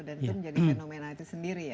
dan itu menjadi fenomena itu sendiri ya